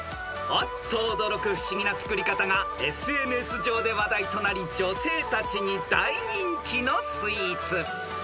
［あっと驚く不思議な作り方がＳＮＳ上で話題となり女性たちに大人気のスイーツ］